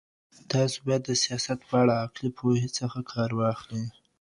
تاسو بايد د سياست په اړه د عقلي پوهې څخه کار واخلئ.